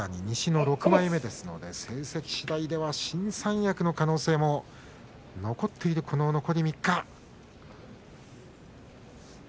西の６枚目ですので成績しだいでは新三役の可能性も残っているこの残り３日。